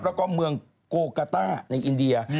แล้วก็เมืองโกกาต้าในอินเดีย